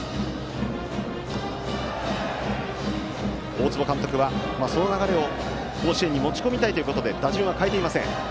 大坪監督はその流れを甲子園に持ち込みたいということで打順は変えていません。